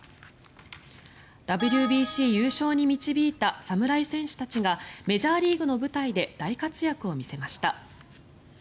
ＷＢＣ優勝に導いた侍戦士たちがメジャーリーグの舞台で大活躍を見せました。